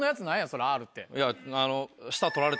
それ「Ｒ」って。